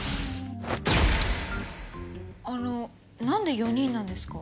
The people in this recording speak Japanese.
あのなんで４人なんですか？